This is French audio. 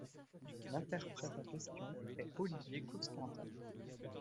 L'interprète en question est Olivier Constantin.